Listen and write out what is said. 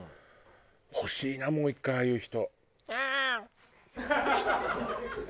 欲しいなもう１回ああいう人。